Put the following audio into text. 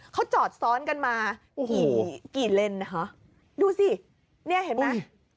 เขาจอดซ้อนกันมากี่เล่นดูสิเนี่ยเห็นมั้ย